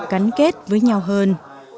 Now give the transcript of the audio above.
đánh kết với nhau hơn